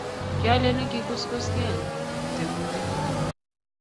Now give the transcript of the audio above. kialeni kikuskusken tebutik.